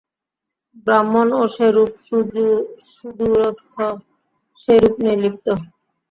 ব্রাহ্মণও সেইরূপ সুদূরস্থ, সেইরূপ নির্লিপ্ত।